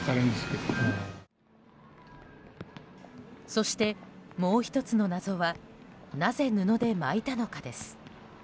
そして、もう１つの謎はなぜ布で巻いたのかです。